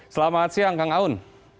selamat siang kang aun